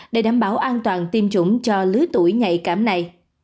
để đảm bảo an toàn tiêm chủng cho lứa tuổi nhạy cảm này